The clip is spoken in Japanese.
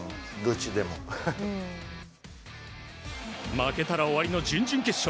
負けたら終わりの準々決勝。